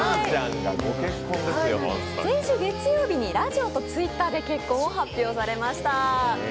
先週月曜日にラジオとＴｗｉｔｔｅｒで結婚を発表されました。